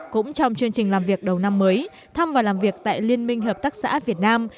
cũng trong chương trình làm việc đầu năm mới thăm và làm việc tại liên minh hợp tác xã việt nam